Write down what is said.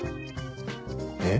えっ？